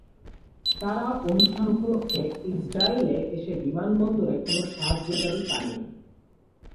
তারা অনুষ্ঠান উপলক্ষে ইসরায়েলে এসে বিমান বন্দরে কোন সাহায্যকারী পায়নি।